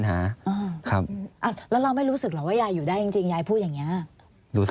อันดับ๖๓๕จัดใช้วิจิตร